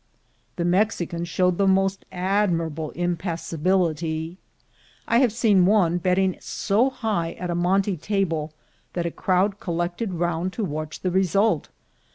The Mexicans showed the most admirable impas sibility. I have seen one betting so high at a monte table that a crowd collected round to watch the result.